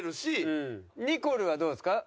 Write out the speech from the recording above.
ニコルはどうですか？